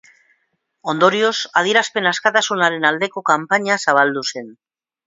Ondorioz, adierazpen askatasunaren aldeko kanpaina zabaldu zen.